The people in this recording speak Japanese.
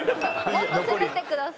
もっと攻めてください。